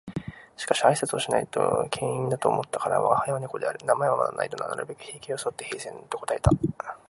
しかし挨拶をしないと険呑だと思ったから「吾輩は猫である。名前はまだない」となるべく平気を装って冷然と答えた